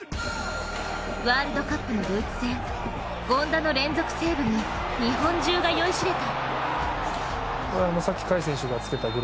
ワールドカップのドイツ戦権田の連続セーブに日本中が酔いしれた。